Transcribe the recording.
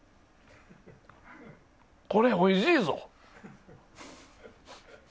これ、おいしいぞ。